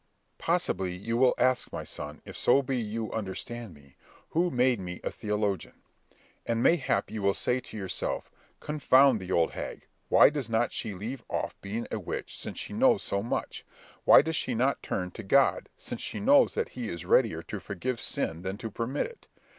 "Possibly you will ask, my son, if so be you understand me, who made me a theologian? And mayhap you will say to yourself, Confound the old hag! why does not she leave off being a witch since she knows so much? Why does not she turn to God, since she knows that he is readier to forgive sin than to permit it?